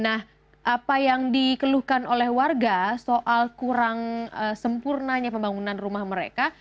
nah apa yang dikeluhkan oleh warga soal kurang sempurnanya pembangunan rumah mereka